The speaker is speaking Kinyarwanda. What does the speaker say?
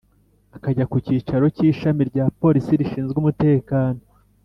akajya ku kicaro cy’ishami rya polisi rishinzwe umutekano